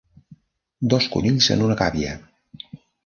Dos conills en una gàbia.